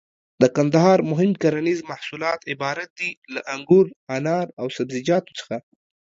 د کندهار مهم کرنيز محصولات عبارت دي له: انګور، انار او سبزيجاتو څخه.